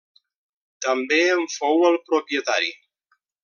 També en fou el propietari.